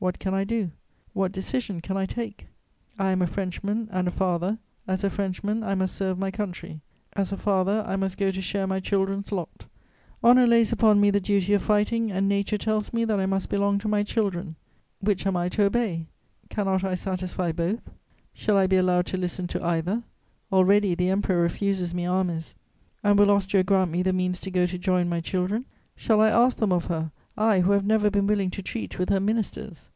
What can I do? What decision can I take? I am a Frenchman and a father: as a Frenchman, I must serve my country; as a father, I must go to share my children's lot: honour lays upon me the duty of fighting and nature tells me that I must belong to my children. Which am I to obey? Cannot I satisfy both? Shall I be allowed to listen to either? Already the Emperor refuses me armies; and will Austria grant me the means to go to join my children? Shall I ask them of her, I who have never been willing to treat with her ministers?